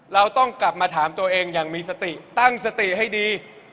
เราต้องกลับมาถามตัวเองอย่างมีสติตั้งสติให้ดี